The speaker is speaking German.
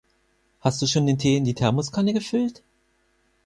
Hast du schon den Tee in die Thermoskanne gefüllt?